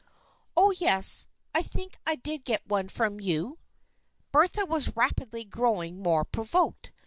"" Oh, yes, I think I did get one from you." Bertha was rapidly growing more provoked.